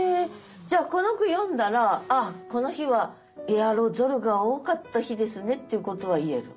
じゃあこの句詠んだら「あっこの日はエアロゾルが多かった日ですね」っていうことは言える？